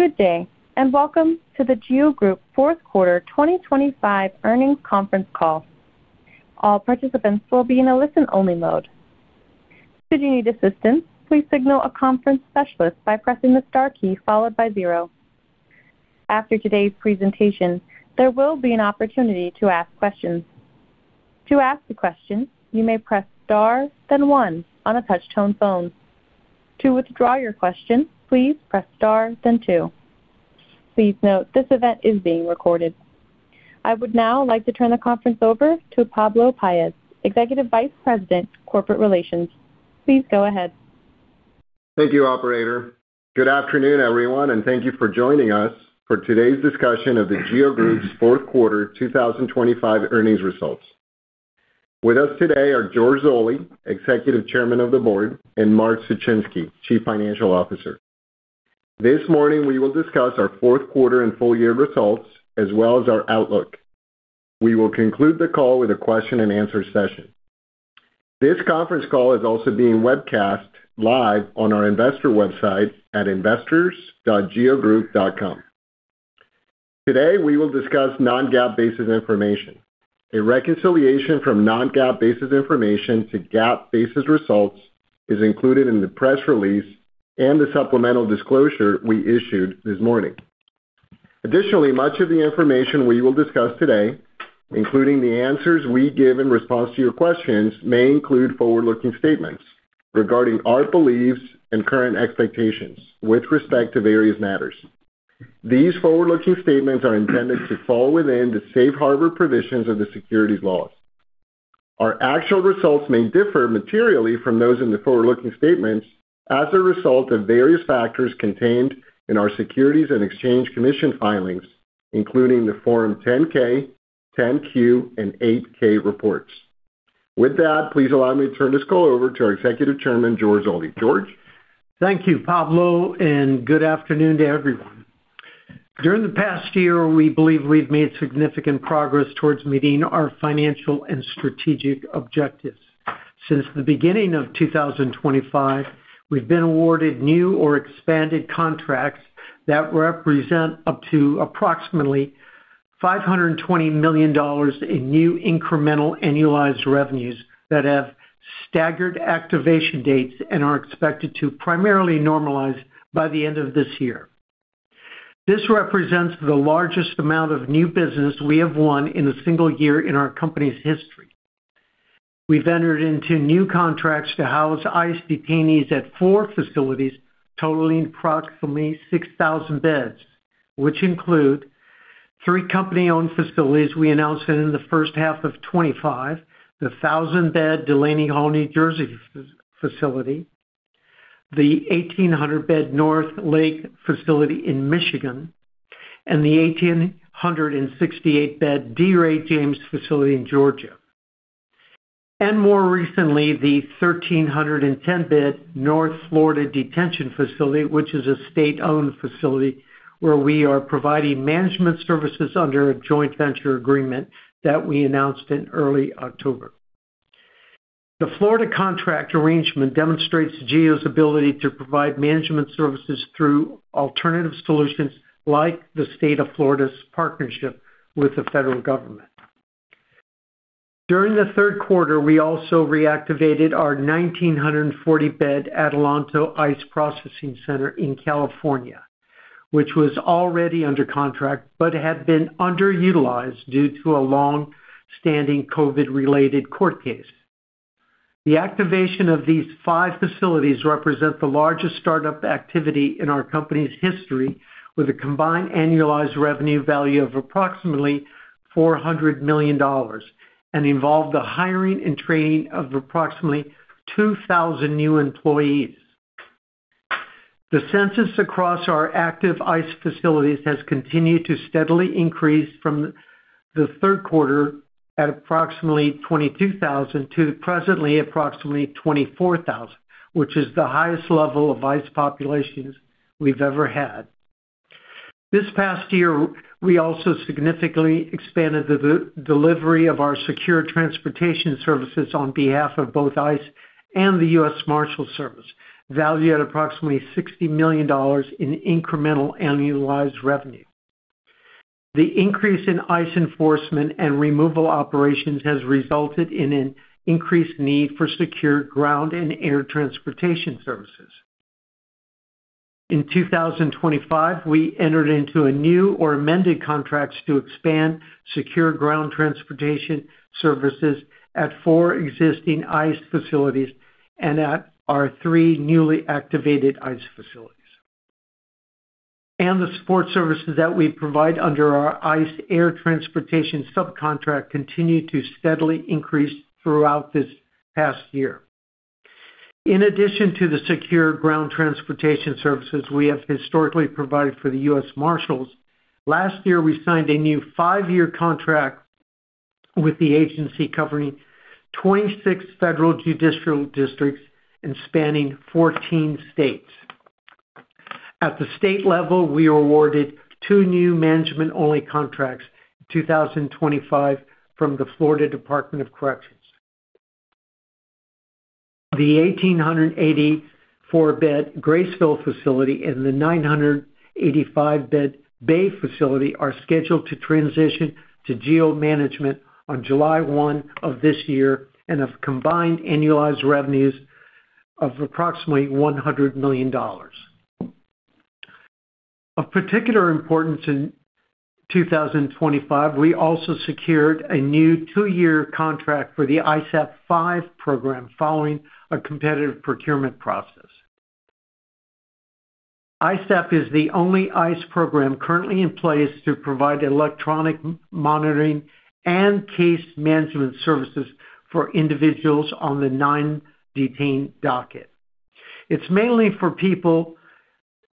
Good day, and welcome to the GEO Group Fourth Quarter 2025 Earnings Conference Call. All participants will be in a listen-only mode. Should you need assistance, please signal a conference specialist by pressing the star key followed by zero. After today's presentation, there will be an opportunity to ask questions. To ask a question, you may press Star, then one on a touch-tone phone. To withdraw your question, please press Star, then two. Please note, this event is being recorded. I would now like to turn the conference over to Pablo Paez, Executive Vice President, Corporate Relations. Please go ahead. Thank you, operator. Good afternoon, everyone, and thank you for joining us for today's discussion of the GEO Group's fourth quarter 2025 earnings results. With us today are George Zoley, Executive Chairman of the Board, and Mark Suchinski, Chief Financial Officer. This morning, we will discuss our fourth quarter and full year results, as well as our outlook. We will conclude the call with a question-and-answer session. This conference call is also being webcast live on our investor website at investors.geogroup.com. Today, we will discuss non-GAAP basis information. A reconciliation from non-GAAP basis information to GAAP basis results is included in the press release and the supplemental disclosure we issued this morning. Additionally, much of the information we will discuss today, including the answers we give in response to your questions, may include forward-looking statements regarding our beliefs and current expectations with respect to various matters. These forward-looking statements are intended to fall within the safe harbor provisions of the securities laws. Our actual results may differ materially from those in the forward-looking statements as a result of various factors contained in our Securities and Exchange Commission filings, including the Form 10-K, 10-Q, and 8-K reports. With that, please allow me to turn this call over to our Executive Chairman, George Zoley. George? Thank you, Pablo, and good afternoon to everyone. During the past year, we believe we've made significant progress towards meeting our financial and strategic objectives. Since the beginning of 2025, we've been awarded new or expanded contracts that represent up to approximately $520 million in new incremental annualized revenues that have staggered activation dates and are expected to primarily normalize by the end of this year. This represents the largest amount of new business we have won in a single year in our company's history. We've entered into new contracts to house ICE detainees at four facilities, totaling approximately 6,000 beds, which include three company-owned facilities we announced in the first half of 2025, the 1,000-bed Delaney Hall, New Jersey facility, the 1,800-bed North Lake facility in Michigan, and the 1,868-bed D. Ray James facility in Georgia. More recently, the 1,310-bed North Florida Detention Facility, which is a state-owned facility, where we are providing management services under a joint venture agreement that we announced in early October. The Florida contract arrangement demonstrates GEO's ability to provide management services through alternative solutions like the State of Florida's partnership with the federal government. During the third quarter, we also reactivated our 1,940-bed Adelanto ICE Processing Center in California, which was already under contract but had been underutilized due to a long-standing COVID-related court case. The activation of these five facilities represent the largest startup activity in our company's history, with a combined annualized revenue value of approximately $400 million and involved the hiring and training of approximately 2,000 new employees. The census across our active ICE facilities has continued to steadily increase from the third quarter at approximately 22,000 to presently approximately 24,000, which is the highest level of ICE populations we've ever had. This past year, we also significantly expanded the delivery of our secure transportation services on behalf of both ICE and the U.S. Marshals Service, valued at approximately $60 million in incremental annualized revenue. The increase in ICE enforcement and removal operations has resulted in an increased need for secure ground and air transportation services. In 2025, we entered into a new or amended contracts to expand secure ground transportation services at four existing ICE facilities and at our three newly activated ICE facilities. The support services that we provide under our ICE air transportation subcontract continued to steadily increase throughout this past year. In addition to the secure ground transportation services we have historically provided for the U.S. Marshals, last year, we signed a new 5-year contract with the agency covering 26 federal judicial districts and spanning 14 states. At the state level, we were awarded two new management-only contracts in 2025 from the Florida Department of Corrections. The 1,884-bed Graceville facility and the 985-bed Bay facility are scheduled to transition to GEO management on July 1 of this year and have combined annualized revenues of approximately $100 million. Of particular importance in 2025, we also secured a new two-year contract for the ISAP 5 program following a competitive procurement process. ISAP is the only ICE program currently in place to provide electronic monitoring and case management services for individuals on the non-detained docket. It's mainly for people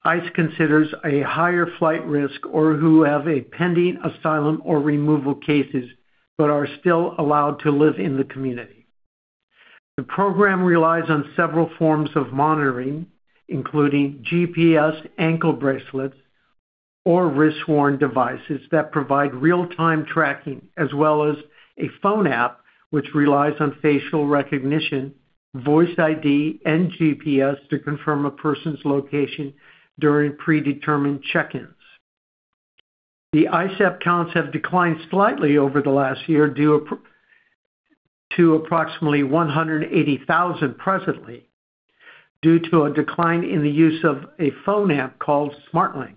ICE considers a higher flight risk or who have a pending asylum or removal cases, but are still allowed to live in the community. The program relies on several forms of monitoring, including GPS, ankle bracelets, or wrist-worn devices that provide real-time tracking, as well as a phone app, which relies on facial recognition, voice ID, and GPS to confirm a person's location during predetermined check-ins. The ICE F counts have declined slightly over the last year, due to approximately 180,000 presently, due to a decline in the use of a phone app called SmartLINK,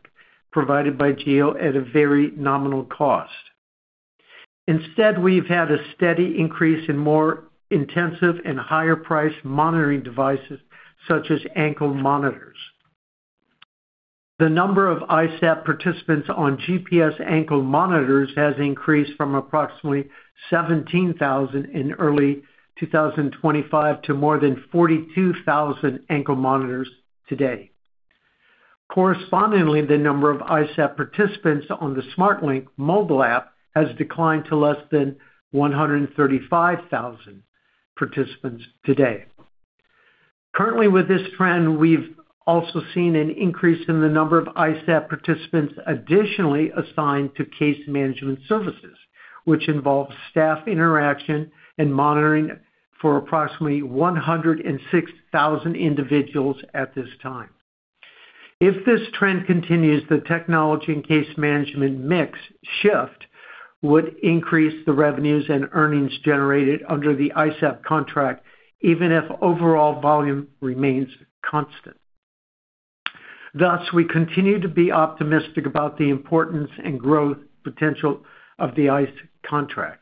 provided by GEO at a very nominal cost. Instead, we've had a steady increase in more intensive and higher-priced monitoring devices, such as ankle monitors. The number of ICE F participants on GPS ankle monitors has increased from approximately 17,000 in early 2025 to more than 42,000 ankle monitors today. Correspondingly, the number of ICE F participants on the SmartLINK mobile app has declined to less than 135,000 participants today. Currently, with this trend, we've also seen an increase in the number of ICE F participants additionally assigned to case management services, which involves staff interaction and monitoring for approximately 106,000 individuals at this time. If this trend continues, the technology and case management mix shift would increase the revenues and earnings generated under the ICE F contract, even if overall volume remains constant. Thus, we continue to be optimistic about the importance and growth potential of the ICE contract.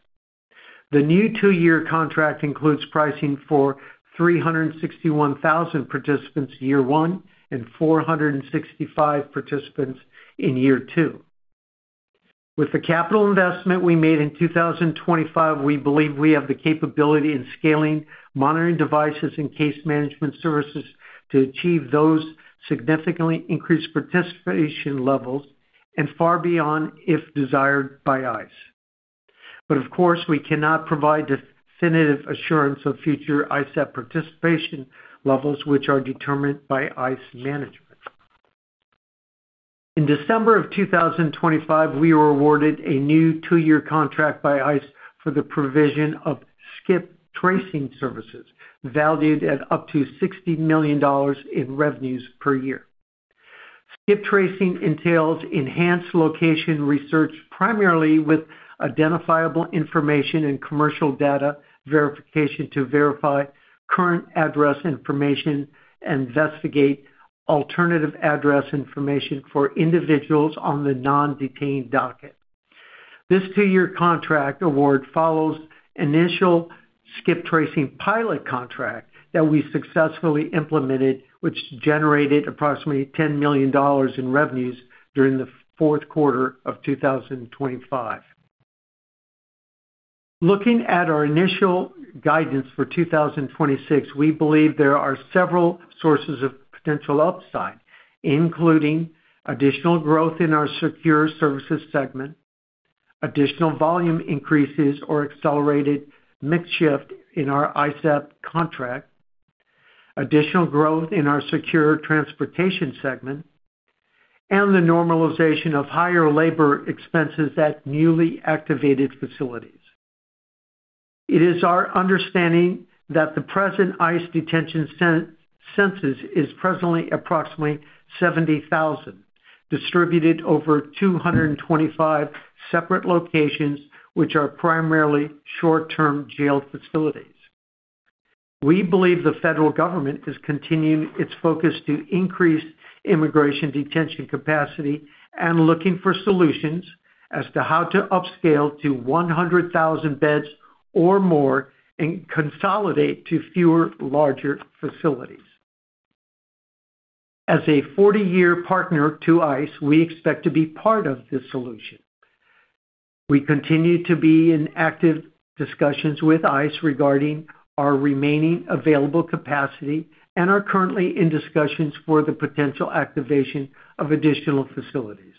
The new two-year contract includes pricing for 361,000 participants in year one and 465,000 participants in year two. With the capital investment we made in 2025, we believe we have the capability in scaling monitoring devices and case management services to achieve those significantly increased participation levels and far beyond, if desired by ICE. But of course, we cannot provide definitive assurance of future ICE F participation levels, which are determined by ICE management. In December of 2025, we were awarded a new two-year contract by ICE for the provision of skip tracing services, valued at up to $60 million in revenues per year. Skip tracing entails enhanced location research, primarily with identifiable information and commercial data verification, to verify current address information and investigate alternative address information for individuals on the non-detained docket. This 2-year contract award follows initial skip tracing pilot contract that we successfully implemented, which generated approximately $10 million in revenues during the fourth quarter of 2025. Looking at our initial guidance for 2026, we believe there are several sources of potential upside, including additional growth in our secure services segment, additional volume increases or accelerated mix shift in our ICE F contract, additional growth in our secure transportation segment, and the normalization of higher labor expenses at newly activated facilities. It is our understanding that the present ICE detention census is presently approximately 70,000, distributed over 225 separate locations, which are primarily short-term jail facilities. We believe the federal government is continuing its focus to increase immigration detention capacity and looking for solutions as to how to upscale to 100,000 beds or more and consolidate to fewer, larger facilities. As a 40-year partner to ICE, we expect to be part of this solution. We continue to be in active discussions with ICE regarding our remaining available capacity and are currently in discussions for the potential activation of additional facilities.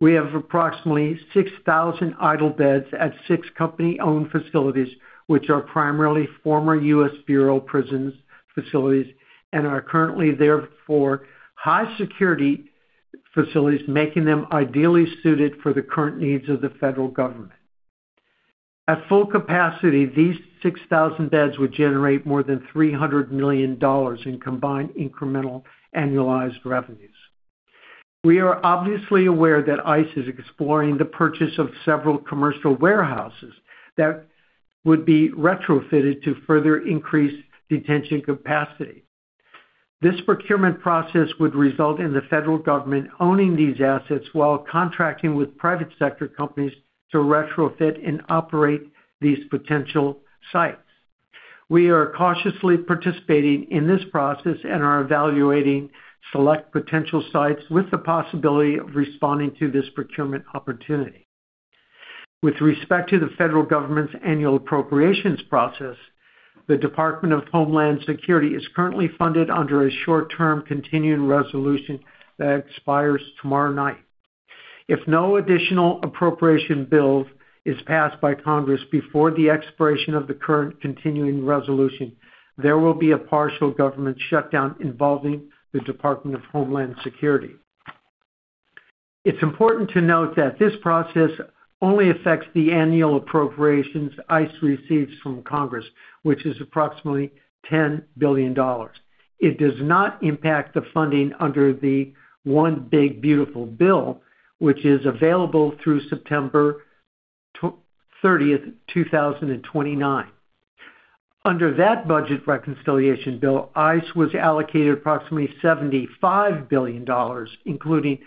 We have approximately 6,000 idle beds at 6 company-owned facilities, which are primarily former U.S. Bureau of Prisons facilities and are currently there for high security facilities, making them ideally suited for the current needs of the federal government. At full capacity, these 6,000 beds would generate more than $300 million in combined incremental annualized revenues. We are obviously aware that ICE is exploring the purchase of several commercial warehouses that would be retrofitted to further increase detention capacity. This procurement process would result in the federal government owning these assets while contracting with private sector companies to retrofit and operate these potential sites. We are cautiously participating in this process and are evaluating select potential sites with the possibility of responding to this procurement opportunity. With respect to the federal government's annual appropriations process, the Department of Homeland Security is currently funded under a short-term continuing resolution that expires tomorrow night. If no additional appropriation bill is passed by Congress before the expiration of the current continuing resolution, there will be a partial government shutdown involving the Department of Homeland Security. It's important to note that this process only affects the annual appropriations ICE receives from Congress, which is approximately $10 billion. It does not impact the funding under the Omnibus Bill, which is available through September 30, 2029. Under that budget reconciliation bill, ICE was allocated approximately $75 billion, including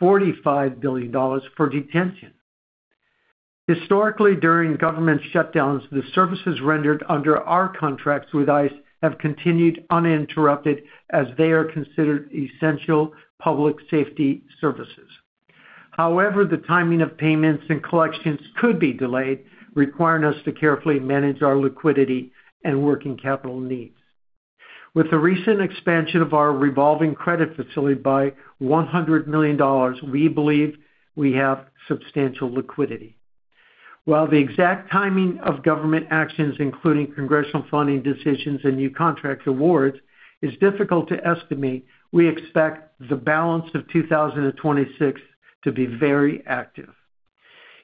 $45 billion for detention. Historically, during government shutdowns, the services rendered under our contracts with ICE have continued uninterrupted, as they are considered essential public safety services. However, the timing of payments and collections could be delayed, requiring us to carefully manage our liquidity and working capital needs. With the recent expansion of our revolving credit facility by $100 million, we believe we have substantial liquidity. While the exact timing of government actions, including congressional funding decisions and new contract awards, is difficult to estimate, we expect the balance of 2026 to be very active.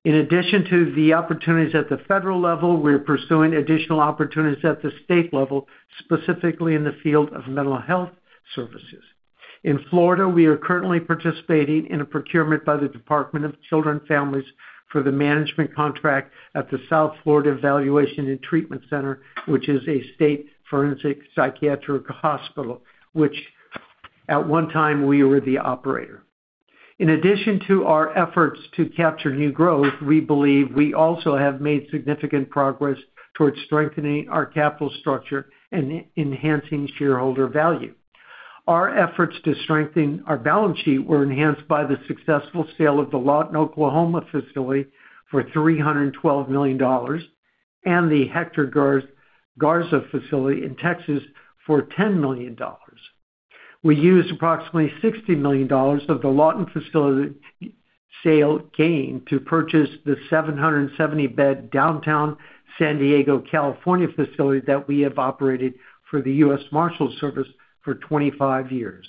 In addition to the opportunities at the federal level, we are pursuing additional opportunities at the state level, specifically in the field of mental health services. In Florida, we are currently participating in a procurement by the Department of Children and Families for the management contract at the South Florida Evaluation and Treatment Center, which is a state forensic psychiatric hospital, which at one time, we were the operator. In addition to our efforts to capture new growth, we believe we also have made significant progress towards strengthening our capital structure and enhancing shareholder value. Our efforts to strengthen our balance sheet were enhanced by the successful sale of the Lawton, Oklahoma, facility for $312 million, and the Hector Garza facility in Texas for $10 million. We used approximately $60 million of the Lawton facility sale gain to purchase the 770-bed downtown San Diego, California, facility that we have operated for the U.S. Marshals Service for 25 years.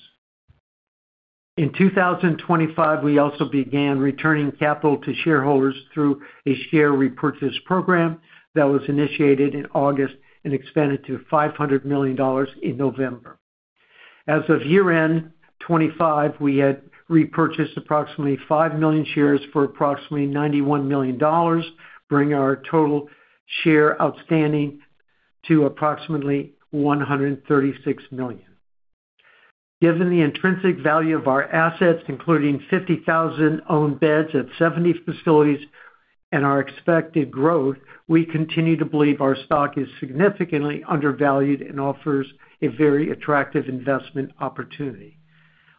In 2025, we also began returning capital to shareholders through a share repurchase program that was initiated in August and expanded to $500 million in November. As of year-end 2025, we had repurchased approximately 5 million shares for approximately $91 million, bringing our total share outstanding to approximately 136 million. Given the intrinsic value of our assets, including 50,000 owned beds at 70 facilities and our expected growth, we continue to believe our stock is significantly undervalued and offers a very attractive investment opportunity.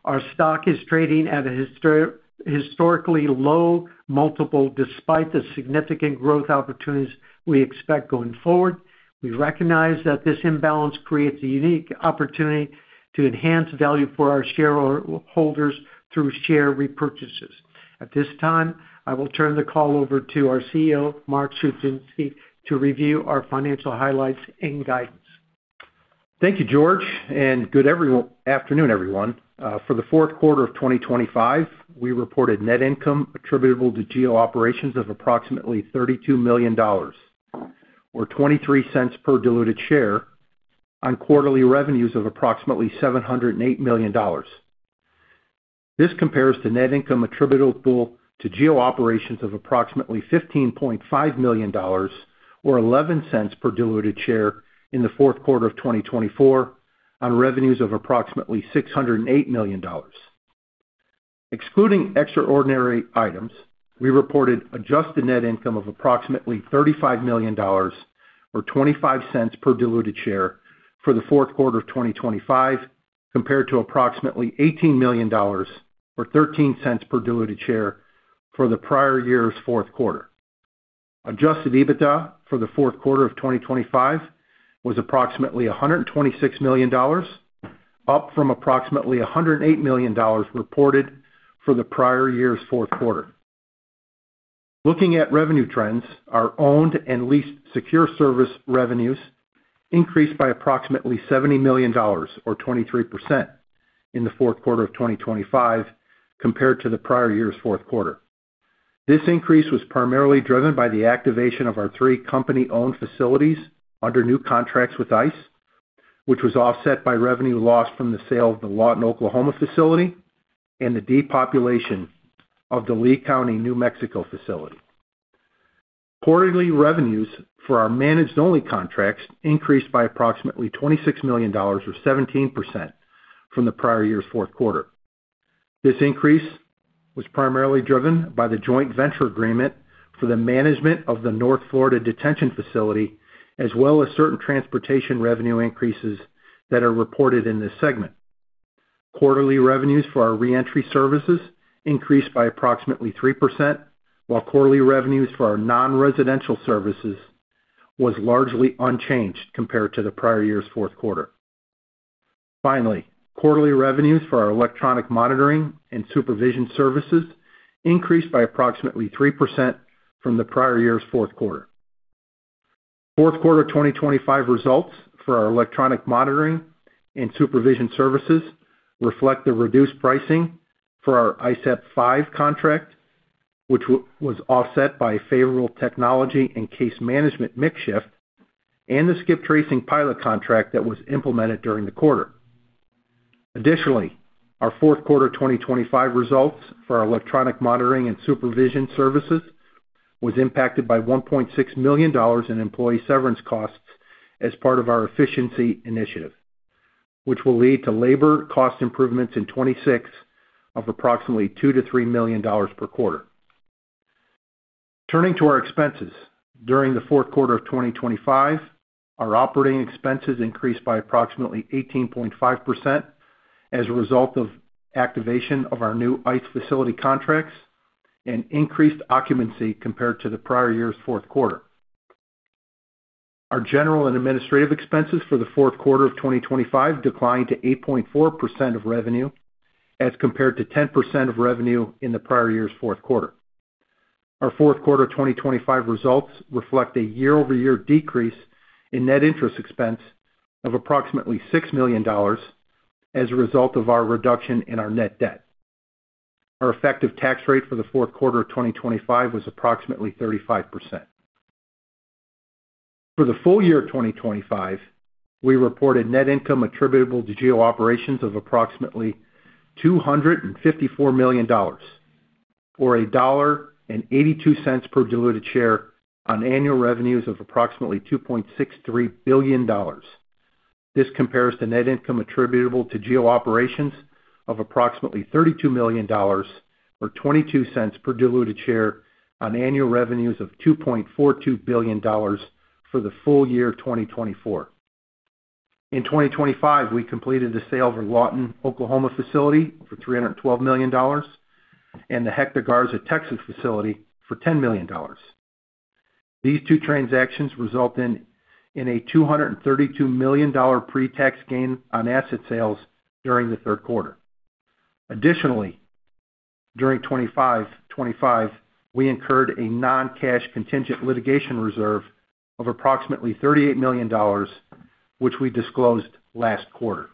Our stock is trading at a historically low multiple, despite the significant growth opportunities we expect going forward. We recognize that this imbalance creates a unique opportunity to enhance value for our shareholders through share repurchases. At this time, I will turn the call over to our CFO, Mark Suchinski, to review our financial highlights and guidance. Thank you, George, and good afternoon, everyone. For the fourth quarter of 2025, we reported net income attributable to GEO operations of approximately $32 million, or $0.23 per diluted share, on quarterly revenues of approximately $708 million. This compares to net income attributable to GEO operations of approximately $15.5 million, or $0.11 per diluted share in the fourth quarter of 2024, on revenues of approximately $608 million. Excluding extraordinary items, we reported adjusted net income of approximately $35 million, or $0.25 per diluted share, for the fourth quarter of 2025, compared to approximately $18 million, or $0.13 per diluted share, for the prior year's fourth quarter. Adjusted EBITDA for the fourth quarter of 2025 was approximately $126 million, up from approximately $108 million reported for the prior year's fourth quarter. Looking at revenue trends, our owned and leased secure service revenues increased by approximately $70 million, or 23%, in the fourth quarter of 2025 compared to the prior year's fourth quarter. This increase was primarily driven by the activation of our three company-owned facilities under new contracts with ICE, which was offset by revenue lost from the sale of the Lawton, Oklahoma facility and the depopulation of the Lee County, New Mexico facility. Quarterly revenues for our managed-only contracts increased by approximately $26 million, or 17%, from the prior year's fourth quarter. This increase was primarily driven by the joint venture agreement for the management of the North Florida Detention Facility, as well as certain transportation revenue increases that are reported in this segment. Quarterly revenues for our re-entry services increased by approximately 3%, while quarterly revenues for our non-residential services was largely unchanged compared to the prior year's fourth quarter. Finally, quarterly revenues for our electronic monitoring and supervision services increased by approximately 3% from the prior year's fourth quarter. Fourth quarter 2025 results for our electronic monitoring and supervision services reflect the reduced pricing for our ISAP-5 contract, which was offset by favorable technology and case management mix shift and the skip tracing pilot contract that was implemented during the quarter. Additionally, our fourth quarter 2025 results for our electronic monitoring and supervision services was impacted by $1.6 million in employee severance costs as part of our efficiency initiative, which will lead to labor cost improvements in 2026 of approximately $2-$3 million per quarter. Turning to our expenses. During the fourth quarter of 2025, our operating expenses increased by approximately 18.5% as a result of activation of our new ICE facility contracts and increased occupancy compared to the prior year's fourth quarter. Our general and administrative expenses for the fourth quarter of 2025 declined to 8.4% of revenue, as compared to 10% of revenue in the prior year's fourth quarter. Our fourth quarter 2025 results reflect a year-over-year decrease in net interest expense of approximately $6 million as a result of our reduction in our net debt. Our effective tax rate for the fourth quarter of 2025 was approximately 35%. For the full year of 2025, we reported net income attributable to GEO operations of approximately $254 million, or $1.82 per diluted share on annual revenues of approximately $2.63 billion. This compares to net income attributable to GEO operations of approximately $32 million, or $0.22 per diluted share on annual revenues of $2.42 billion for the full year of 2024. In 2025, we completed the sale of our Lawton, Oklahoma facility for $312 million and the Hector Garza, Texas facility for $10 million. These two transactions resulted in a $232 million pre-tax gain on asset sales during the third quarter. Additionally, during 2025, we incurred a non-cash contingent litigation reserve of approximately $38 million, which we disclosed last quarter.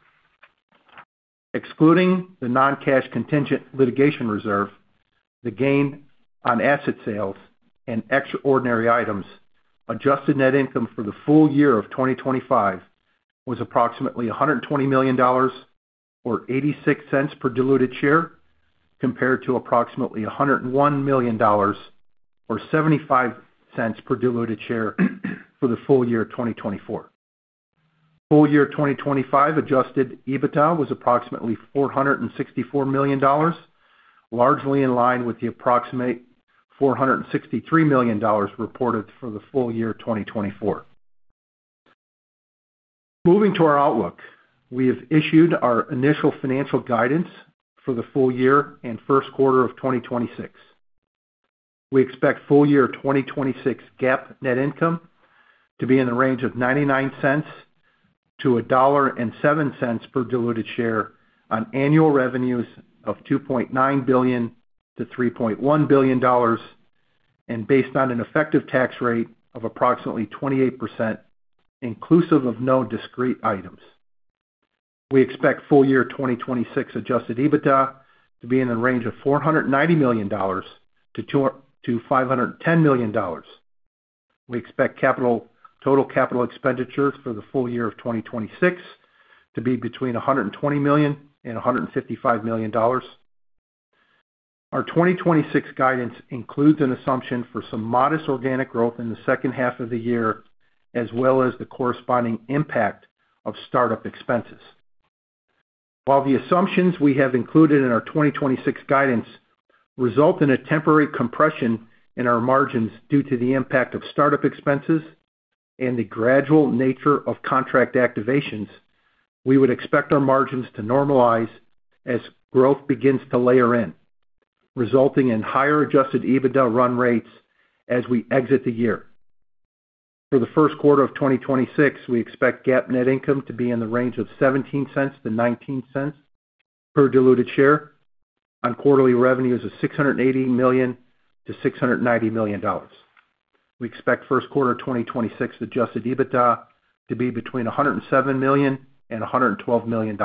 Excluding the non-cash contingent litigation reserve, the gain on asset sales and extraordinary items, adjusted net income for the full year of 2025 was approximately $120 million, or $0.86 per diluted share, compared to approximately $101 million, or $0.75 per diluted share for the full year of 2024. Full year of 2025 Adjusted EBITDA was approximately $464 million, largely in line with the approximate $463 million reported for the full year of 2024. Moving to our outlook. We have issued our initial financial guidance for the full year and first quarter of 2026. We expect full year 2026 GAAP net income to be in the range of $0.99-$1.07 per diluted share on annual revenues of $2.9 billion-$3.1 billion, and based on an effective tax rate of approximately 28%, inclusive of no discrete items. We expect full year 2026 Adjusted EBITDA to be in the range of $490 million-$510 million. We expect total capital expenditures for the full year of 2026 to be between $120 million and $155 million. Our 2026 guidance includes an assumption for some modest organic growth in the second half of the year, as well as the corresponding impact of start-up expenses. While the assumptions we have included in our 2026 guidance result in a temporary compression in our margins due to the impact of start-up expenses and the gradual nature of contract activations, we would expect our margins to normalize as growth begins to layer in, resulting in higher Adjusted EBITDA run rates as we exit the year. For the first quarter of 2026, we expect GAAP net income to be in the range of 17 cents-19 cents per diluted share on quarterly revenues of $680 million-$690 million. We expect first quarter 2026 Adjusted EBITDA to be between $107 million and $112 million.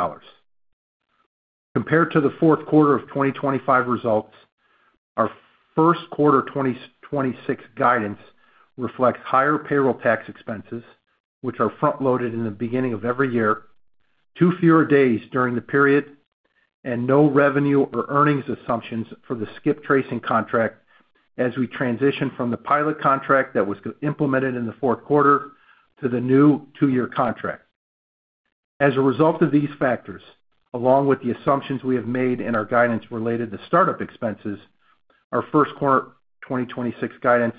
Compared to the fourth quarter of 2025 results, our first quarter 2026 guidance reflects higher payroll tax expenses, which are front-loaded in the beginning of every year, 2 fewer days during the period, and no revenue or earnings assumptions for the skip tracing contract as we transition from the pilot contract that was implemented in the fourth quarter to the new two-year contract. As a result of these factors, along with the assumptions we have made in our guidance related to startup expenses, our first quarter 2026 guidance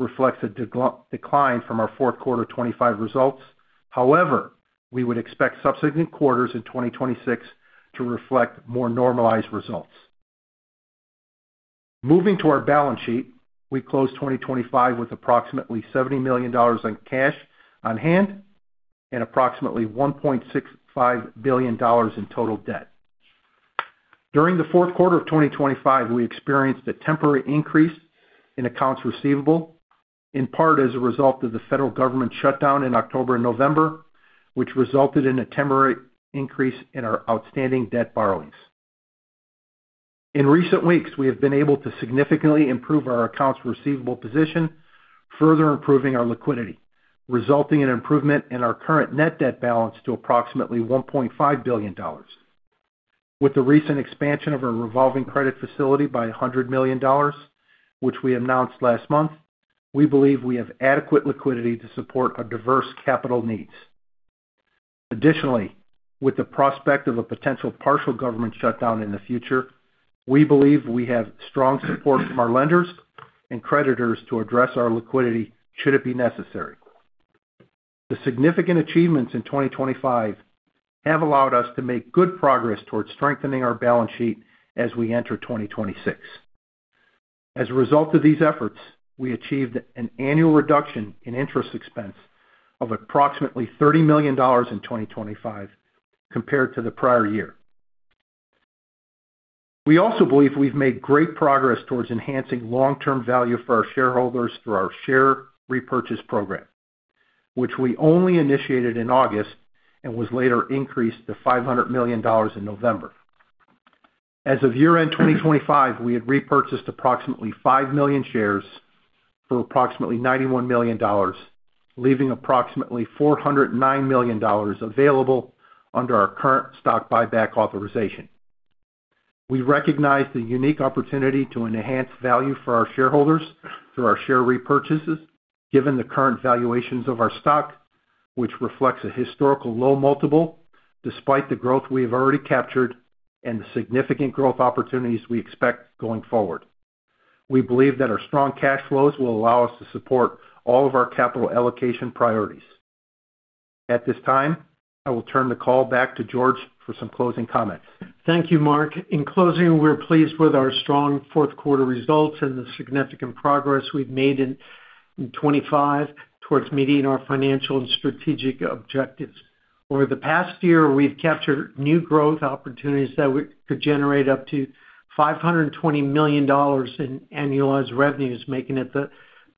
reflects a decline from our fourth quarter 2025 results. However, we would expect subsequent quarters in 2026 to reflect more normalized results. Moving to our balance sheet, we closed 2025 with approximately $70 million in cash on hand and approximately $1.65 billion in total debt. During the fourth quarter of 2025, we experienced a temporary increase in accounts receivable, in part as a result of the federal government shutdown in October and November, which resulted in a temporary increase in our outstanding debt borrowings. In recent weeks, we have been able to significantly improve our accounts receivable position, further improving our liquidity, resulting in improvement in our current net debt balance to approximately $1.5 billion. With the recent expansion of our Revolving Credit Facility by $100 million, which we announced last month, we believe we have adequate liquidity to support our diverse capital needs. Additionally, with the prospect of a potential partial government shutdown in the future, we believe we have strong support from our lenders and creditors to address our liquidity should it be necessary. The significant achievements in 2025 have allowed us to make good progress towards strengthening our balance sheet as we enter 2026. As a result of these efforts, we achieved an annual reduction in interest expense of approximately $30 million in 2025 compared to the prior year. We also believe we've made great progress towards enhancing long-term value for our shareholders through our share repurchase program, which we only initiated in August and was later increased to $500 million in November. As of year-end 2025, we had repurchased approximately 5 million shares for approximately $91 million, leaving approximately $409 million available under our current stock buyback authorization. We recognize the unique opportunity to enhance value for our shareholders through our share repurchases, given the current valuations of our stock, which reflects a historical low multiple, despite the growth we have already captured and the significant growth opportunities we expect going forward. We believe that our strong cash flows will allow us to support all of our capital allocation priorities. At this time, I will turn the call back to George for some closing comments. Thank you, Mark. In closing, we're pleased with our strong fourth quarter results and the significant progress we've made in 2025 towards meeting our financial and strategic objectives. Over the past year, we've captured new growth opportunities that could generate up to $520 million in annualized revenues, making it the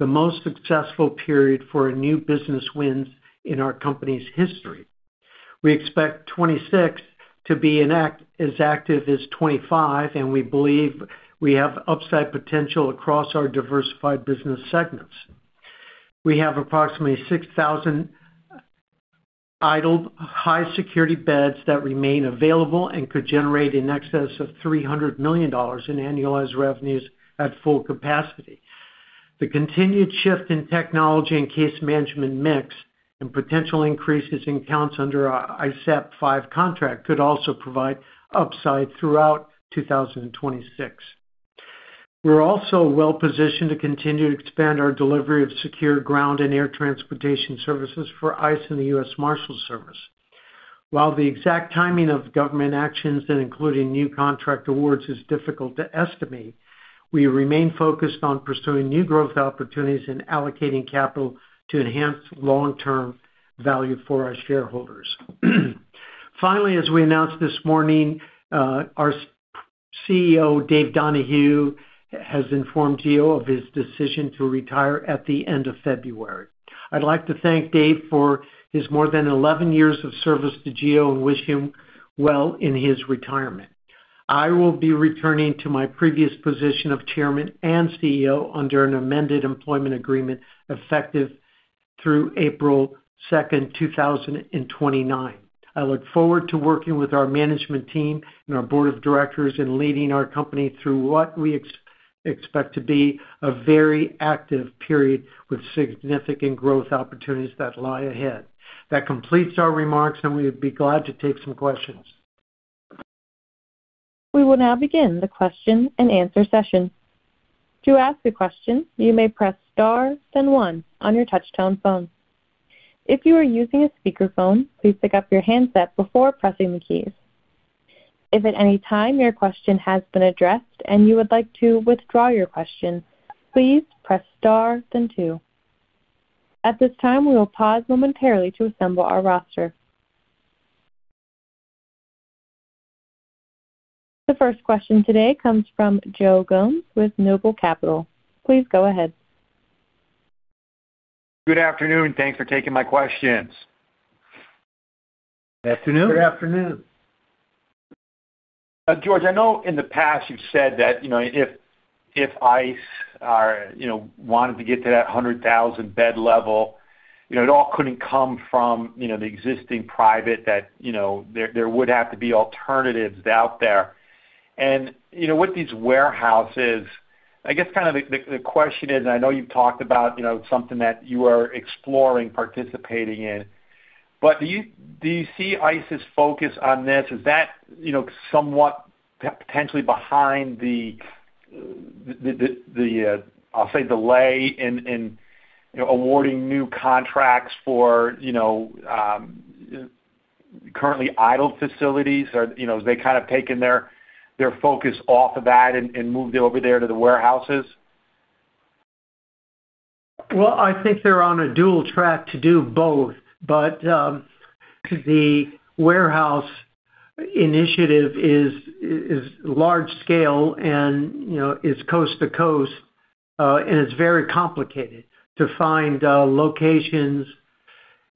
most successful period for new business wins in our company's history. We expect 2026 to be as active as 2025, and we believe we have upside potential across our diversified business segments. We have approximately 6,000 idled high-security beds that remain available and could generate in excess of $300 million in annualized revenues at full capacity. The continued shift in technology and case management mix and potential increases in counts under our ICE FIV contract could also provide upside throughout 2026. We're also well positioned to continue to expand our delivery of secure ground and air transportation services for ICE and the U.S. Marshals Service. While the exact timing of government actions and including new contract awards is difficult to estimate, we remain focused on pursuing new growth opportunities and allocating capital to enhance long-term value for our shareholders. Finally, as we announced this morning, our CEO, Dave Donahue, has informed GEO of his decision to retire at the end of February. I'd like to thank Dave for his more than 11 years of service to GEO and wish him well in his retirement. I will be returning to my previous position of Chairman and CEO under an amended employment agreement effective through April 2, 2029. I look forward to working with our management team and our board of directors in leading our company through what we expect to be a very active period with significant growth opportunities that lie ahead. That completes our remarks, and we would be glad to take some questions. We will now begin the question-and-answer session. To ask a question, you may press star then one on your touchtone phone. If you are using a speakerphone, please pick up your handset before pressing the keys. ... If at any time your question has been addressed and you would like to withdraw your question, please press star then two. At this time, we will pause momentarily to assemble our roster. The first question today comes from Joe Gomes with Noble Capital. Please go ahead. Good afternoon. Thanks for taking my questions. Good afternoon. Good afternoon. George, I know in the past you've said that, you know, if ICE are, you know, wanted to get to that 100,000 bed level, you know, it all couldn't come from, you know, the existing private that, you know, there would have to be alternatives out there. You know, with these warehouses, I guess kind of the question is, and I know you've talked about, you know, something that you are exploring, participating in, but do you see ICE's focus on this? Is that, you know, somewhat potentially behind the, I'll say, delay in, you know, awarding new contracts for, you know, currently idled facilities? Or, you know, have they kind of taken their focus off of that and moved it over there to the warehouses? Well, I think they're on a dual track to do both. But, the warehouse initiative is large scale and, you know, is coast to coast, and it's very complicated to find locations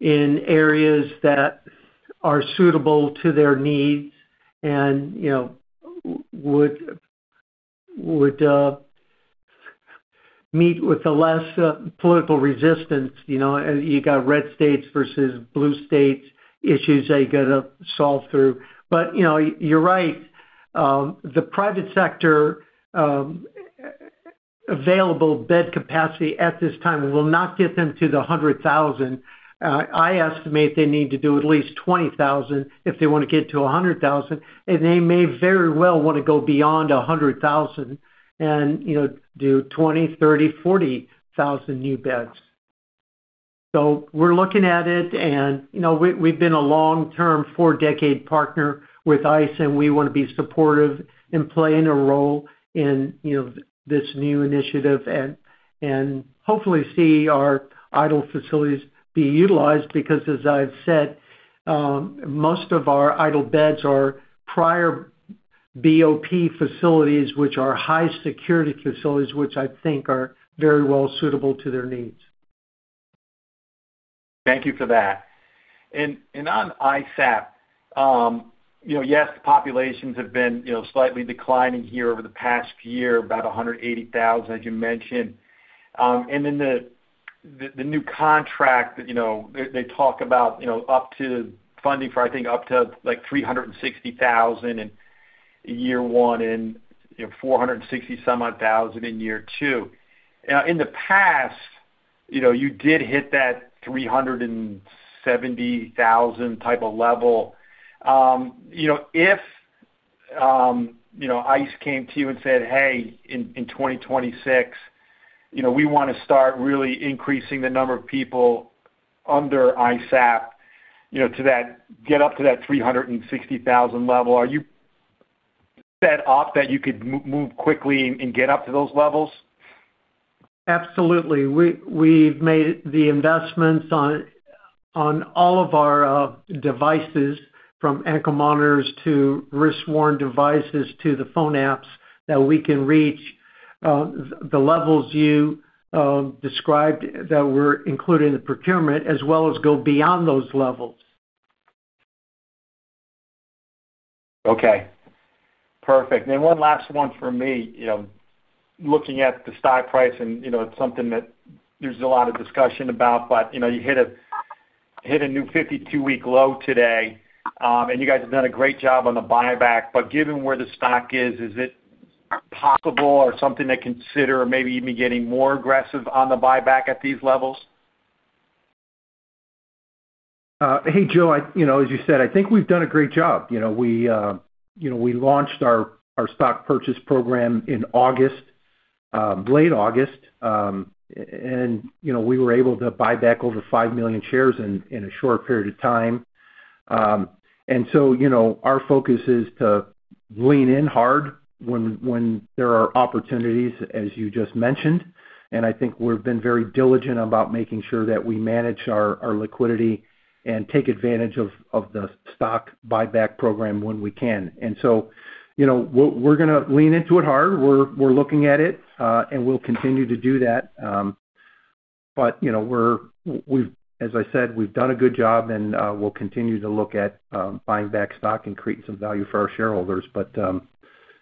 in areas that are suitable to their needs and, you know, would meet with the less political resistance. You know, you got red states versus blue states, issues that you got to solve through. But, you know, you're right. The private sector available bed capacity at this time will not get them to the 100,000. I estimate they need to do at least 20,000 if they want to get to a 100,000, and they may very well want to go beyond a 100,000 and, you know, do 20,000, 30,000, 40,000 new beds. We're looking at it, and, you know, we've been a long-term, four-decade partner with ICE, and we want to be supportive in playing a role in, you know, this new initiative and, and hopefully see our idle facilities be utilized. Because, as I've said, most of our idle beds are prior BOP facilities, which are high security facilities, which I think are very well suitable to their needs. Thank you for that. And on ISAP, you know, yes, populations have been, you know, slightly declining here over the past year, about 180,000, as you mentioned. And then the new contract, you know, they talk about, you know, up to funding for, I think, up to, like, 360,000 in year one and, you know, 460-some-odd thousand in year two. Now, in the past, you know, you did hit that 370,000 type of level. You know, if you know, ICE came to you and said, "Hey, in 2026, you know, we want to start really increasing the number of people under ISAP, you know, to that, get up to that 360,000 level," are you set up that you could move quickly and get up to those levels? Absolutely. We've made the investments on all of our devices, from ankle monitors to wrist-worn devices to the phone apps, that we can reach the levels you described that were included in the procurement, as well as go beyond those levels. Okay, perfect. Then one last one for me. You know, looking at the stock price, and, you know, it's something that there's a lot of discussion about, but, you know, you hit a new 52-week low today. And you guys have done a great job on the buyback. But given where the stock is, is it possible or something to consider maybe even getting more aggressive on the buyback at these levels? Hey, Joe, I—you know, as you said, I think we've done a great job. You know, we, you know, we launched our, our stock purchase program in August, late August. And, you know, we were able to buy back over 5 million shares in, in a short period of time. And so, you know, our focus is to lean in hard when, when there are opportunities, as you just mentioned, and I think we've been very diligent about making sure that we manage our, our liquidity and take advantage of, of the stock buyback program when we can. And so, you know, we're, we're gonna lean into it hard. We're, we're looking at it, and we'll continue to do that. But, you know, we've, as I said, we've done a good job, and we'll continue to look at buying back stock and creating some value for our shareholders. But,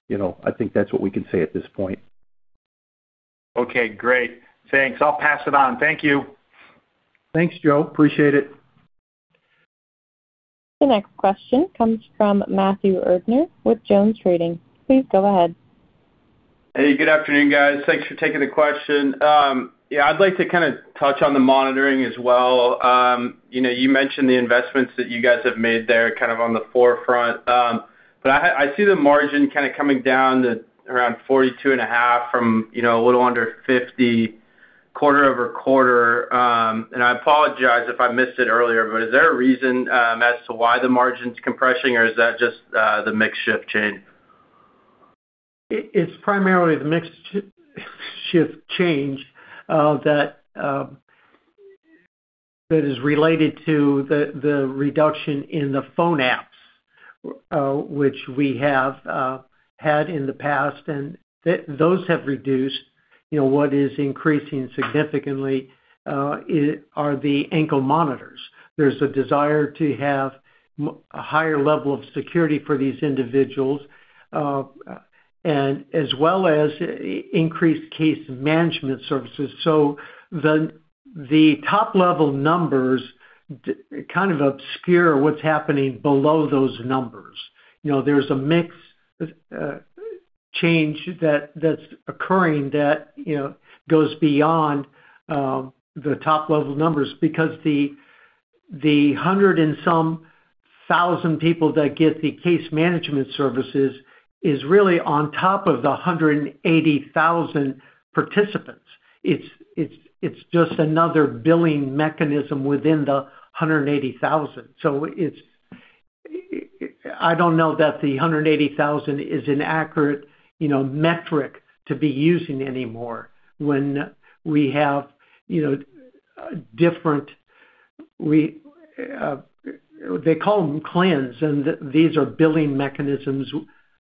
you know, I think that's what we can say at this point. Okay, great. Thanks. I'll pass it on. Thank you. Thanks, Joe. Appreciate it. The next question comes from Matthew Erdner with Jones Trading. Please go ahead. Hey, good afternoon, guys. Thanks for taking the question. Yeah, I'd like to kind of touch on the monitoring as well. You know, you mentioned the investments that you guys have made there, kind of on the forefront. But I see the margin kind of coming down to around 42.5% from, you know, a little under 50% quarter-over-quarter, and I apologize if I missed it earlier, but is there a reason as to why the margin's compressing, or is that just the mix shift change? It's primarily the mix shift change that is related to the reduction in the phone apps, which we have had in the past, and those have reduced. You know, what is increasing significantly are the ankle monitors. There's a desire to have a higher level of security for these individuals, and as well as increased case management services. So the top-level numbers kind of obscure what's happening below those numbers. You know, there's a mix change that's occurring that you know goes beyond the top-level numbers because the 100-something thousand people that get the case management services is really on top of the 180,000 participants. It's just another billing mechanism within the 180,000. So it's, I don't know that the 180,000 is an accurate, you know, metric to be using anymore when we have, you know, different. They call them claims, and these are billing mechanisms,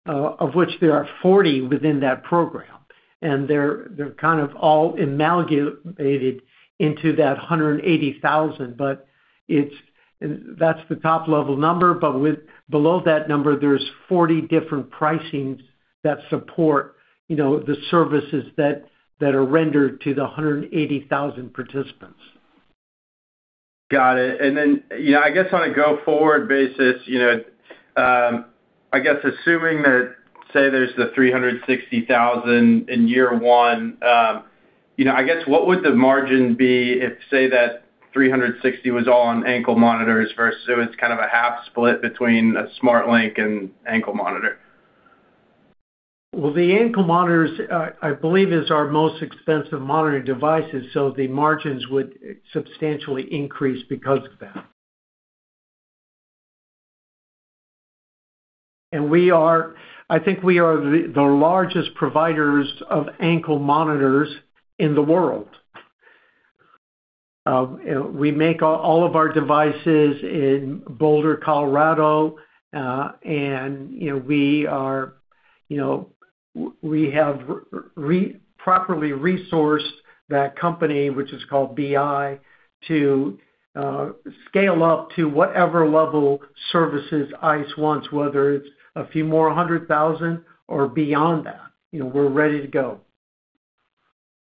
of which there are 40 within that program, and they're kind of all amalgamated into that 180,000, but it's, that's the top level number, but below that number, there's 40 different pricings that support, you know, the services that are rendered to the 180,000 participants. Got it. And then, you know, I guess on a go-forward basis, you know, I guess assuming that, say, there's the 360,000 in year one, you know, I guess, what would the margin be if, say, that 360,000 was all on ankle monitors versus so it's kind of a half split between a SmartLINK and ankle monitor? Well, the ankle monitors, I believe, is our most expensive monitoring devices, so the margins would substantially increase because of that. And we are—I think we are the largest providers of ankle monitors in the world. You know, we make all of our devices in Boulder, Colorado, and, you know, we are, you know, we have properly resourced that company, which is called BI, to scale up to whatever level services ICE wants, whether it's a few more 100,000 or beyond that, you know, we're ready to go.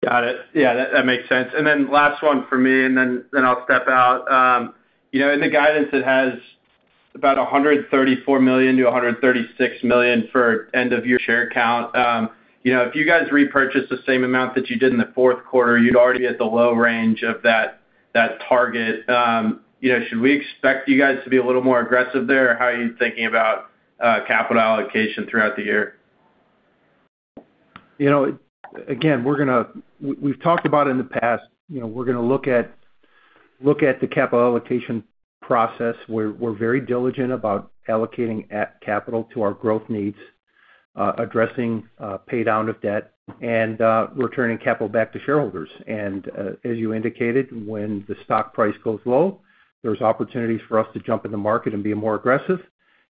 Got it. Yeah, that, that makes sense. And then last one for me, and then, then I'll step out. You know, in the guidance, it has about 134 million-136 million for end of year share count. You know, if you guys repurchase the same amount that you did in the fourth quarter, you'd already be at the low range of that, that target. You know, should we expect you guys to be a little more aggressive there, or how are you thinking about, capital allocation throughout the year? You know, again, we've talked about in the past, you know, we're gonna look at the capital allocation process. We're very diligent about allocating capital to our growth needs, addressing pay down of debt and returning capital back to shareholders. And as you indicated, when the stock price goes low, there's opportunities for us to jump in the market and be more aggressive.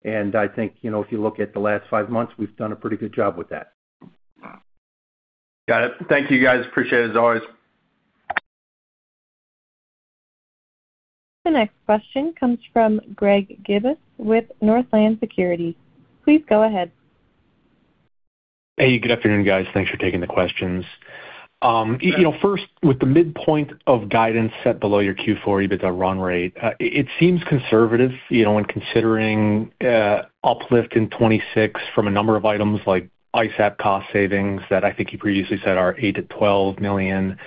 And I think, you know, if you look at the last five months, we've done a pretty good job with that. Got it. Thank you, guys. Appreciate it, as always. The next question comes from Greg Gibas with Northland Securities. Please go ahead. Hey, good afternoon, guys. Thanks for taking the questions. You know, first, with the midpoint of guidance set below your Q4 EBITDA run rate, it seems conservative, you know, when considering uplift in 2026 from a number of items like ISAP cost savings that I think you previously said are $8 million-$12 million,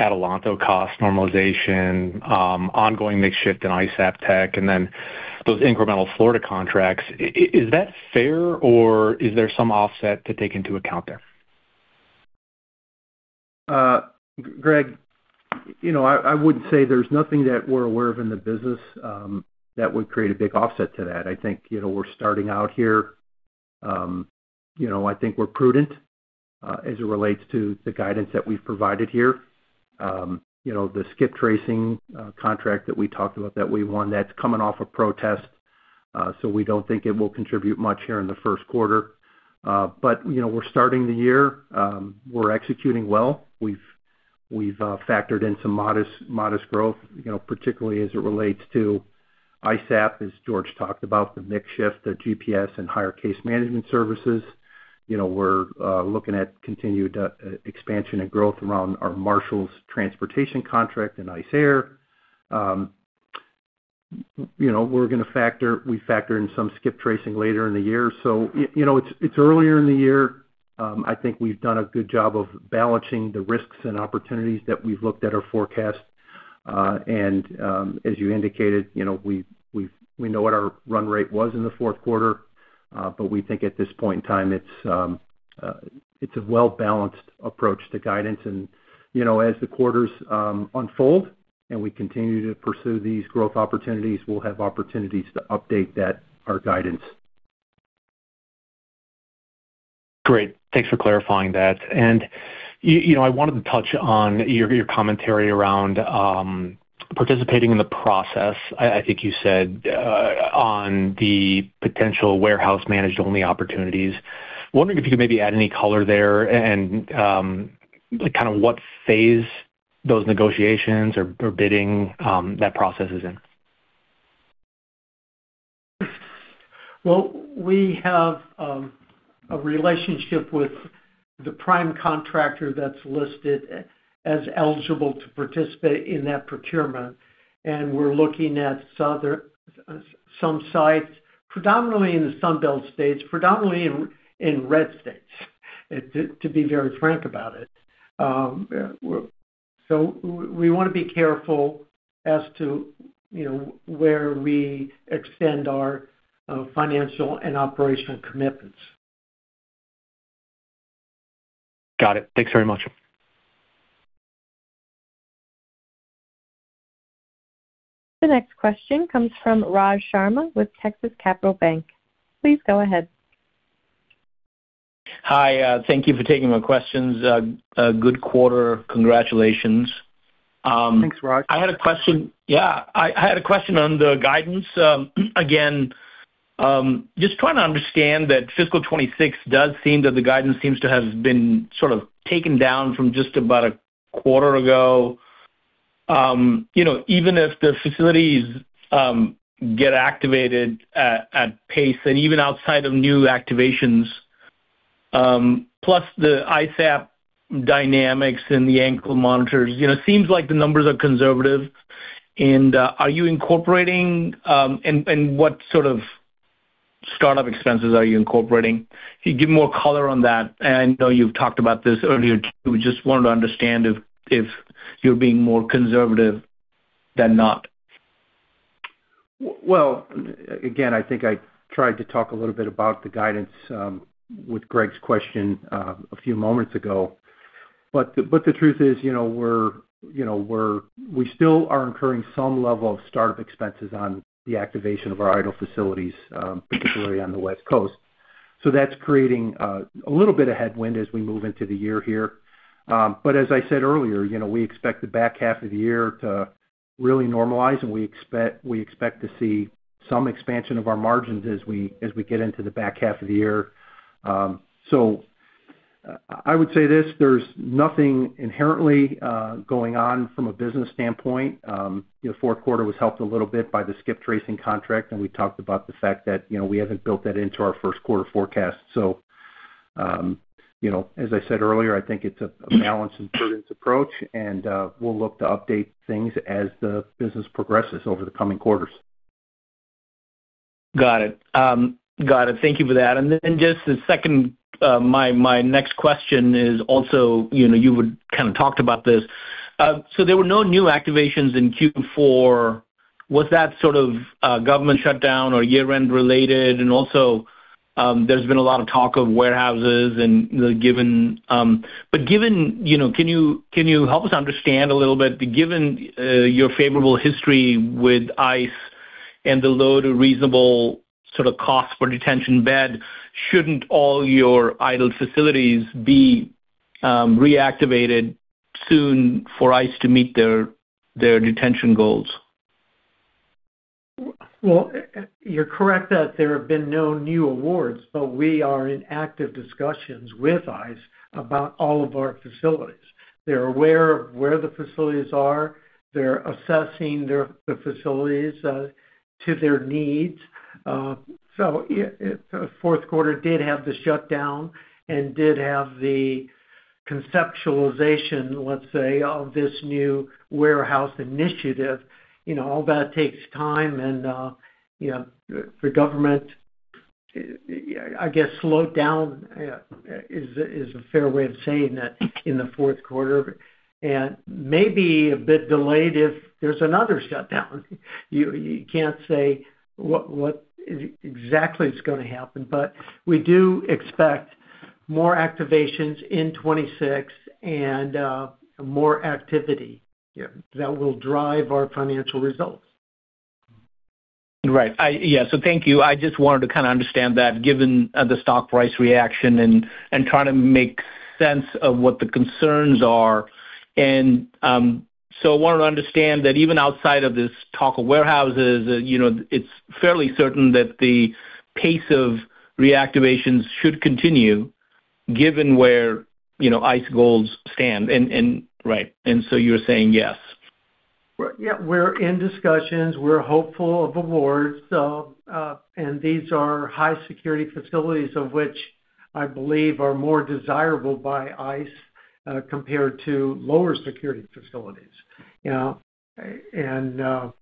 Adelanto cost normalization, ongoing mix shift in ISAP tech, and then those incremental Florida contracts. Is that fair, or is there some offset to take into account there? Greg, you know, I would say there's nothing that we're aware of in the business that would create a big offset to that. I think, you know, we're starting out here, you know, I think we're prudent as it relates to the guidance that we've provided here. You know, the Skip Tracing contract that we talked about that we won, that's coming off a protest, so we don't think it will contribute much here in the first quarter. But, you know, we're starting the year, we're executing well. We've factored in some modest growth, you know, particularly as it relates to ISAP, as George talked about, the mix shift, the GPS and higher case management services. You know, we're looking at continued expansion and growth around our Marshals transportation contract and ICE Air. You know, we're gonna factor in some Skip Tracing later in the year. So you know, it's earlier in the year. I think we've done a good job of balancing the risks and opportunities that we've looked at our forecast. As you indicated, you know, we know what our run rate was in the fourth quarter, but we think at this point in time, it's a well-balanced approach to guidance. You know, as the quarters unfold and we continue to pursue these growth opportunities, we'll have opportunities to update that, our guidance. Great, thanks for clarifying that. And you know, I wanted to touch on your commentary around participating in the process, I think you said on the potential warehouse managed only opportunities. Wondering if you could maybe add any color there and kind of what phase those negotiations or bidding that process is in? Well, we have a relationship with the prime contractor that's listed as eligible to participate in that procurement, and we're looking at some sites, predominantly in the Sun Belt states, predominantly in red states, to be very frank about it. So we wanna be careful as to, you know, where we extend our financial and operational commitments. Got it. Thanks very much. The next question comes from Raj Sharma with Texas Capital Bank. Please go ahead. Hi, thank you for taking my questions. A good quarter. Congratulations. Thanks, Raj. I had a question... Yeah, I had a question on the guidance. Again, just trying to understand that fiscal 2026 does seem that the guidance seems to have been sort of taken down from just about a quarter ago. You know, even if the facilities get activated at pace and even outside of new activations, plus the ISAP dynamics and the ankle monitors, you know, seems like the numbers are conservative. And are you incorporating, and what sort of startup expenses are you incorporating? Can you give more color on that? And I know you've talked about this earlier, too. We just wanted to understand if you're being more conservative than not. Well, again, I think I tried to talk a little bit about the guidance with Greg's question a few moments ago. But the truth is, you know, we're, you know, we still are incurring some level of startup expenses on the activation of our idle facilities, particularly on the West Coast. So that's creating a little bit of headwind as we move into the year here. But as I said earlier, you know, we expect the back half of the year to really normalize, and we expect to see some expansion of our margins as we get into the back half of the year. So I would say this, there's nothing inherently going on from a business standpoint. The fourth quarter was helped a little bit by the Skip Tracing contract, and we talked about the fact that, you know, we haven't built that into our first quarter forecast. So, you know, as I said earlier, I think it's a balanced and prudent approach, and we'll look to update things as the business progresses over the coming quarters. Got it. Got it. Thank you for that. And then just the second, my, my next question is also, you know, you would kind of talked about this. So there were no new activations in Q4. Was that sort of, government shutdown or year-end related? And also, there's been a lot of talk of warehouses and the given... But given, you know, can you, can you help us understand a little bit, given, your favorable history with ICE and the low to reasonable sort of cost per detention bed, shouldn't all your idle facilities be, reactivated soon for ICE to meet their, their detention goals? Well, you're correct that there have been no new awards, but we are in active discussions with ICE about all of our facilities. They're aware of where the facilities are. They're assessing their, the facilities to their needs. So, yeah, fourth quarter did have the shutdown and did have the conceptualization, let's say, of this new warehouse initiative. You know, all that takes time and, you know, the government, I guess, slowed down is a fair way of saying that in the fourth quarter, and may be a bit delayed if there's another shutdown. You can't say what exactly is gonna happen, but we do expect more activations in 2026 and, more activity, yeah, that will drive our financial results. Right. Yeah, so thank you. I just wanted to kinda understand that, given the stock price reaction and, and trying to make sense of what the concerns are. And, so I wanted to understand that even outside of this talk of warehouses, you know, it's fairly certain that the pace of reactivations should continue, given where, you know, ICE goals stand. And, and, right, and so you're saying yes. Yeah, we're in discussions, we're hopeful of awards. So, and these are high security facilities, of which I believe are more desirable by ICE, compared to lower security facilities, you know? And,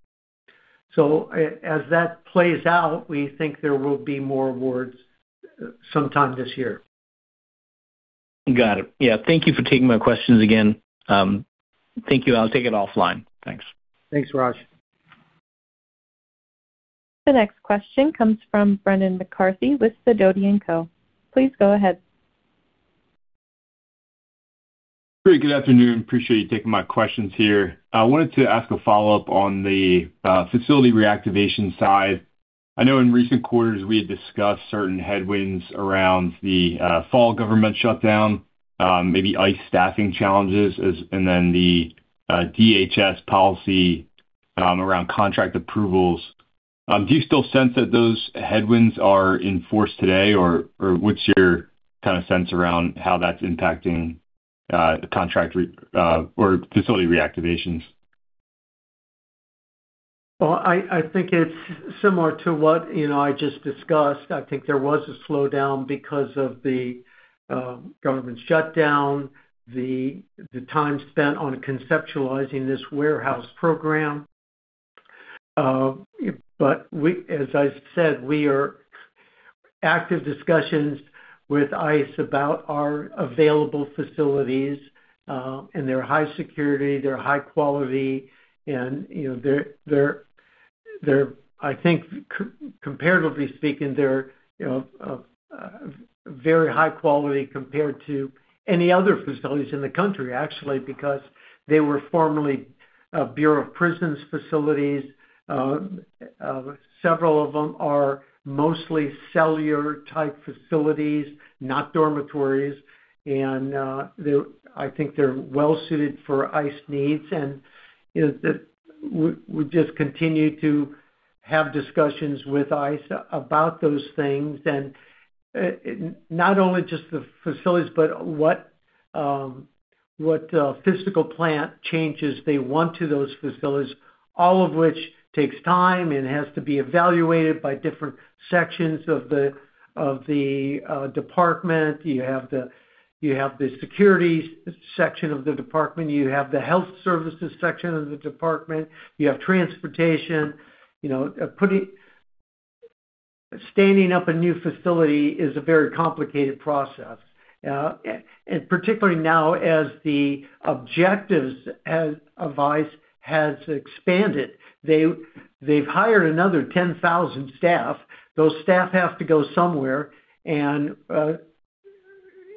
so as that plays out, we think there will be more awards sometime this year. ... Got it. Yeah, thank you for taking my questions again. Thank you. I'll take it offline. Thanks. Thanks, Raj. The next question comes from Brendan McCarthy with Sidoti & Co. Please go ahead. Great, good afternoon. Appreciate you taking my questions here. I wanted to ask a follow-up on the, facility reactivation side. I know in recent quarters, we had discussed certain headwinds around the, fall government shutdown, maybe ICE staffing challenges and then the, DHS policy, around contract approvals. Do you still sense that those headwinds are in force today, or, or what's your kind of sense around how that's impacting, the contract or facility reactivations? Well, I think it's similar to what, you know, I just discussed. I think there was a slowdown because of the government shutdown, the time spent on conceptualizing this warehouse program. But as I've said, we are in active discussions with ICE about our available facilities, and they're high security, they're high quality, and, you know, they're, I think, comparatively speaking, they're, you know, very high quality compared to any other facilities in the country, actually, because they were formerly Bureau of Prisons facilities. Several of them are mostly cellular-type facilities, not dormitories, and, I think they're well suited for ICE needs. And, you know, that we just continue to have discussions with ICE about those things, and not only just the facilities, but what, what physical plant changes they want to those facilities, all of which takes time and has to be evaluated by different sections of the department. You have the security section of the department, you have the health services section of the department, you have transportation. You know, standing up a new facility is a very complicated process. And particularly now as the objectives as of ICE has expanded, they, they've hired another 10,000 staff. Those staff have to go somewhere, and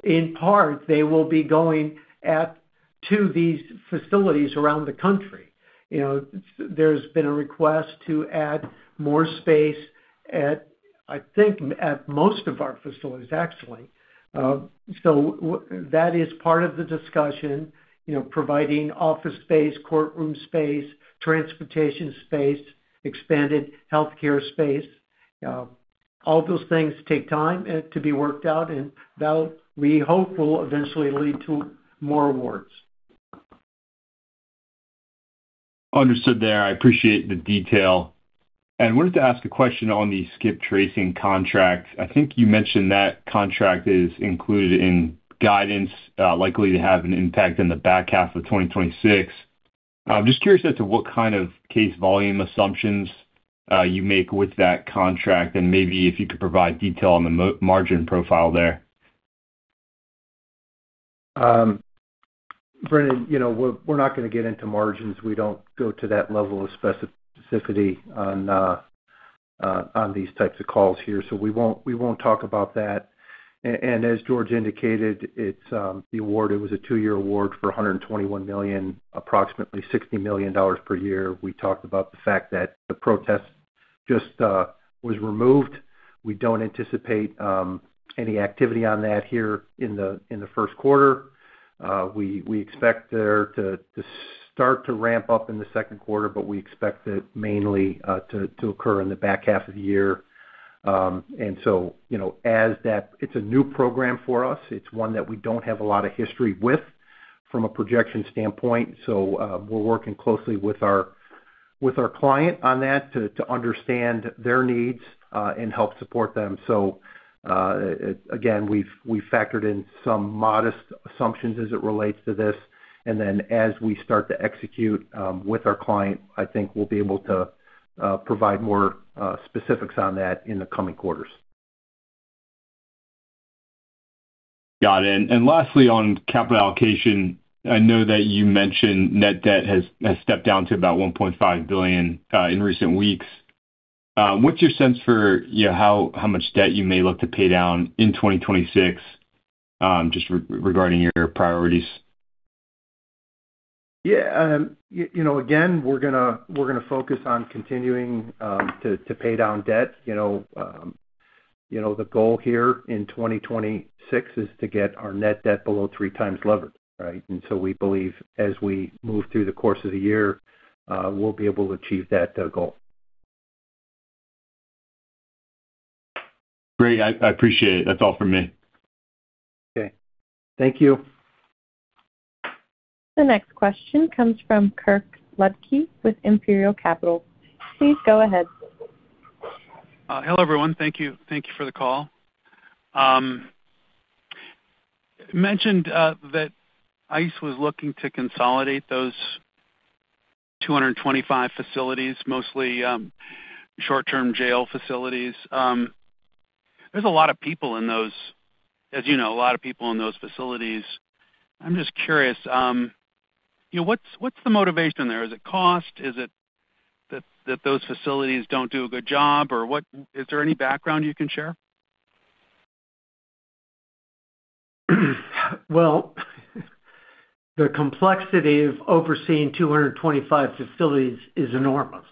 in part, they will be going to these facilities around the country. You know, there's been a request to add more space at, I think, most of our facilities, actually. So that is part of the discussion, you know, providing office space, courtroom space, transportation space, expanded healthcare space. All those things take time to be worked out, and that we hope will eventually lead to more awards. Understood there. I appreciate the detail. Wanted to ask a question on the skip tracing contract. I think you mentioned that contract is included in guidance, likely to have an impact in the back half of 2026. I'm just curious as to what kind of case volume assumptions you make with that contract, and maybe if you could provide detail on the margin profile there. Brendan, you know, we're not gonna get into margins. We don't go to that level of specificity on these types of calls here, so we won't talk about that. And as George indicated, it's the award, it was a two-year award for $121 million, approximately $60 million per year. We talked about the fact that the protest just was removed. We don't anticipate any activity on that here in the first quarter. We expect there to start to ramp up in the second quarter, but we expect it mainly to occur in the back half of the year. And so, you know, as that... It's a new program for us. It's one that we don't have a lot of history with from a projection standpoint, so, we're working closely with our client on that to understand their needs and help support them. So, again, we've factored in some modest assumptions as it relates to this, and then as we start to execute with our client, I think we'll be able to provide more specifics on that in the coming quarters. Got it. And lastly, on capital allocation, I know that you mentioned net debt has stepped down to about $1.5 billion in recent weeks. What's your sense for, you know, how much debt you may look to pay down in 2026, just regarding your priorities? Yeah, you know, again, we're gonna focus on continuing to pay down debt. You know, the goal here in 2026 is to get our net debt below three times leverage, right? And so we believe as we move through the course of the year, we'll be able to achieve that goal. Great, I appreciate it. That's all for me. Okay. Thank you. The next question comes from Kirk Ludtke with Imperial Capital. Please go ahead. Hello, everyone. Thank you. Thank you for the call. Mentioned that ICE was looking to consolidate those-... 225 facilities, mostly short-term jail facilities. There's a lot of people in those, as you know, a lot of people in those facilities. I'm just curious, you know, what's the motivation there? Is it cost? Is it that those facilities don't do a good job, or what? Is there any background you can share? Well, the complexity of overseeing 225 facilities is enormous.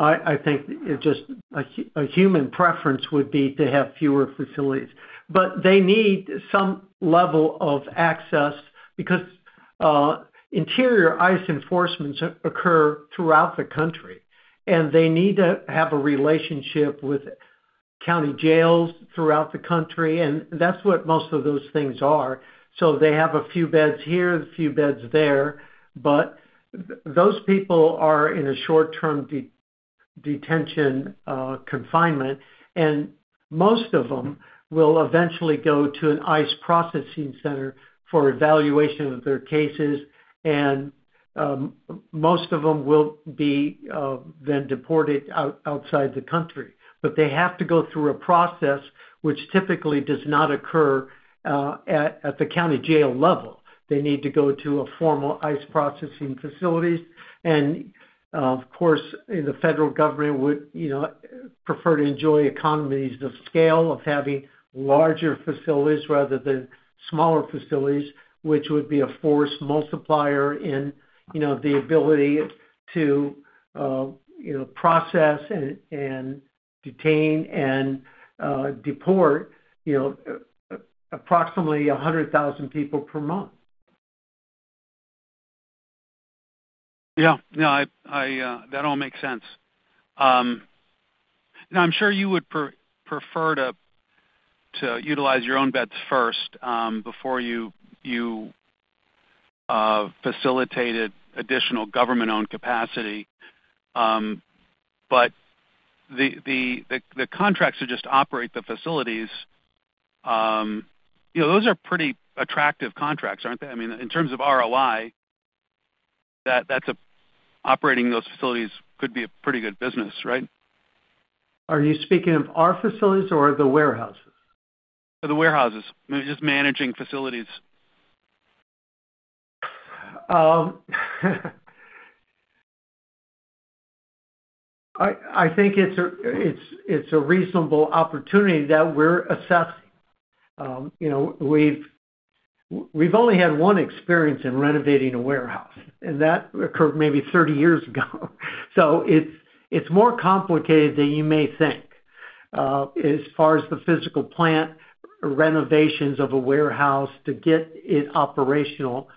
I think it just, a human preference would be to have fewer facilities. But they need some level of access because interior ICE enforcement occurs throughout the country, and they need to have a relationship with county jails throughout the country, and that's what most of those things are. So they have a few beds here, a few beds there, but those people are in a short-term detention, confinement, and most of them will eventually go to an ICE processing center for evaluation of their cases, and most of them will be then deported outside the country. But they have to go through a process which typically does not occur at the county jail level. They need to go to a formal ICE processing facilities. Of course, the federal government would, you know, prefer to enjoy economies of scale of having larger facilities rather than smaller facilities, which would be a force multiplier in, you know, the ability to you know, process and detain and deport, you know, approximately 100,000 people per month. Yeah. No, I... That all makes sense. Now, I'm sure you would prefer to utilize your own beds first, before you facilitated additional government-owned capacity. But the contracts that just operate the facilities, you know, those are pretty attractive contracts, aren't they? I mean, in terms of ROI, that's operating those facilities could be a pretty good business, right? Are you speaking of our facilities or the warehouses? The warehouses, just managing facilities. I think it's a reasonable opportunity that we're assessing. You know, we've only had one experience in renovating a warehouse, and that occurred maybe 30 years ago. So it's more complicated than you may think. As far as the physical plant, renovations of a warehouse to get it operational,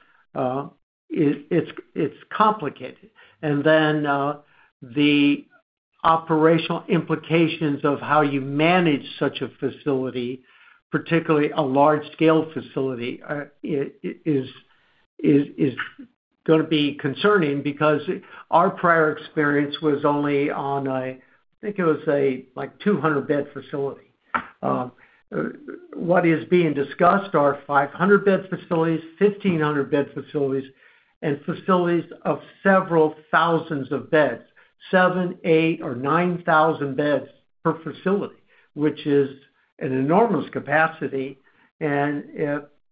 it's complicated. And then, the operational implications of how you manage such a facility, particularly a large-scale facility, is gonna be concerning because our prior experience was only on a, I think it was a, like, 200-bed facility. What is being discussed are 500-bed facilities, 1,500-bed facilities, and facilities of several thousands of beds, 7, 8, or 9 thousand beds per facility, which is an enormous capacity, and,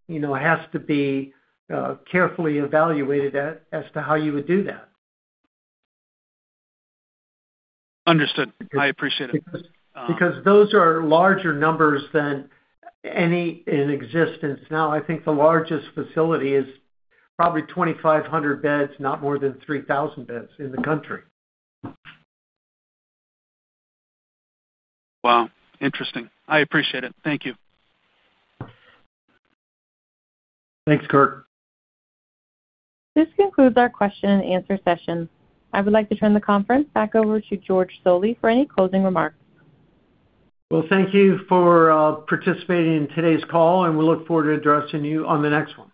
you know, it has to be carefully evaluated as to how you would do that. Understood. I appreciate it. Because those are larger numbers than any in existence. Now, I think the largest facility is probably 2,500 beds, not more than 3,000 beds in the country. Wow! Interesting. I appreciate it. Thank you. Thanks, Kirk. This concludes our question and answer session. I would like to turn the conference back over to George Zoley for any closing remarks. Well, thank you for participating in today's call, and we look forward to addressing you on the next one.